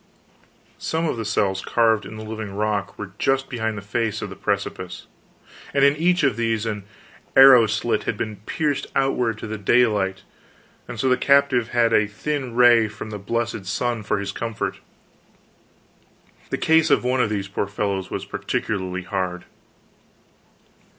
Some of the cells carved in the living rock were just behind the face of the precipice, and in each of these an arrow slit had been pierced outward to the daylight, and so the captive had a thin ray from the blessed sun for his comfort. The case of one of these poor fellows was particularly hard.